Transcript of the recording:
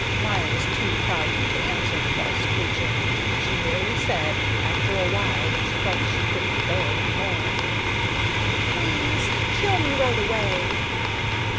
Maya was too proud to answer the false creature. She merely said, after a while when she felt she couldn't bear any more: "Please kill me right away."